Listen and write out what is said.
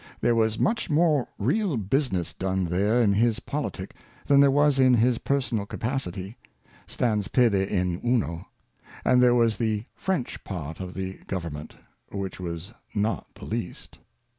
There was much more real Business done there in his Pohtick, than there was in his personal Capacity, Stans pede in uno ; and there was the French part of the Government, which was not the least.